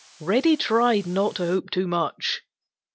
Reddy tried not to hope too much.